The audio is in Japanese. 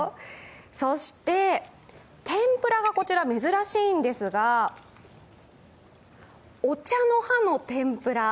そして、天ぷらがこちら珍しいんですが、お茶の葉の天ぷら。